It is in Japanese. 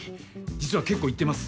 実は結構行ってます